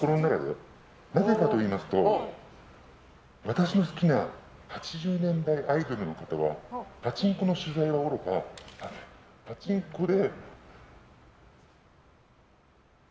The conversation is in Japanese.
なぜかといいますと私の好きな８０年代アイドルの方はパチンコの取材はおろかパチンコで。